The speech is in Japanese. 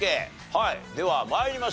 はいでは参りましょう。